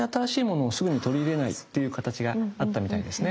あんまり新しいものをすぐに取り入れないっていう形があったみたいですね。